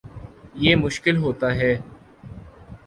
یہ مشکل ہوتا ہے